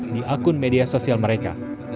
di akun media sosial mereka